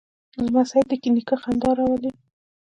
لمسی د نیکه خندا راولي.